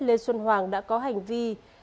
lê xuân hoàng đã có hành vi